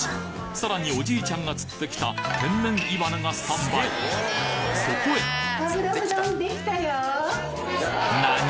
さらにおじいちゃんが釣ってきた天然イワナがスタンバイそこへなに！？